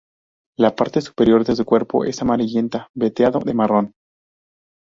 La parte superior de su cuerpo es amarillenta, veteado de marrón.